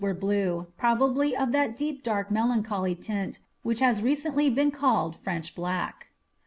M5 blue, probably of that deep, dark, melancholy tint which has recently been called French black.'